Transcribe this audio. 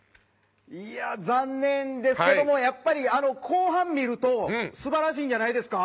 残念ですけどもやっぱり後半見ると素晴らしいんじゃないですか？